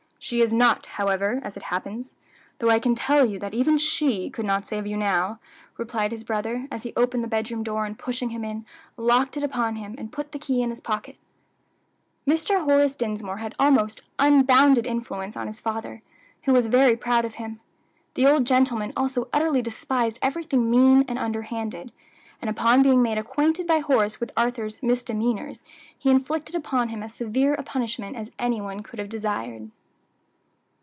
"She is not, however, as it happens, though I can tell you that even she could not save you now," replied his brother, as he opened the bedroom door, and pushing him in, locked it upon him, and put the key in his pocket. Mr. Horace Dinsmore had almost unbounded influence over his father, who was very proud of him; the old gentleman also utterly despised everything mean and underhanded, and upon being made acquainted by Horace with Arthur's misdemeanors he inflicted upon him as severe a punishment as any one could have desired.